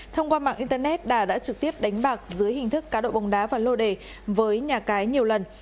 thông qua mạng internet đà đã trực tiếp đánh bạc dưới hình thức cá độ bóng đá và lô đề với nhà cái nhiều lần